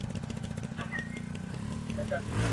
لېونو ته لېونی پاچا ښکارېږي ..